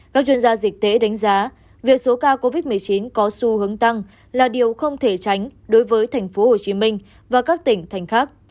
các chuyên gia dịch tễ đánh giá việc số ca covid một mươi chín có xu hướng tăng là điều không thể tránh đối với tp hcm và các tỉnh thành khác